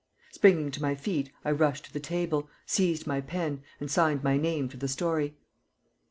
Springing to my feet, I rushed to the table, seized my pen, and signed my name to the story.